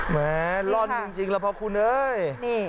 แหมรอดจริงแล้วขอบคุณเอ้ย